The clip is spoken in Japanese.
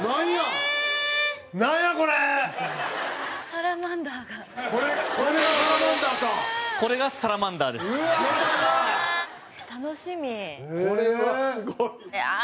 蛍原：これは、すごい。